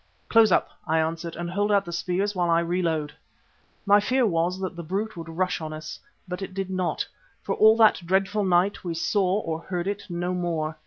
"Close up," I answered, "and hold out the spears while I reload." My fear was that the brute would rush on us. But it did not. For all that dreadful night we saw or heard it no more.